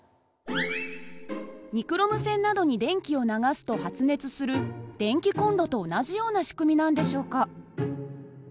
ニクロム線などに電気を流すと発熱する電気コンロと同じような仕組みなんでしょうか？